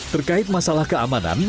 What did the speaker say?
terkait masalah keamanan